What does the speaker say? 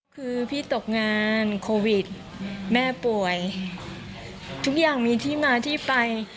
คือพี่ตกงานโควิดแม่ป่วยทุกอย่างมีที่มาที่ไป